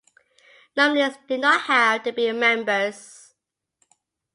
Nominees do not have to be members.